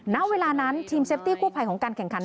ณเวลานั้นทีมเซฟตี้กู้ภัยของการแข่งขัน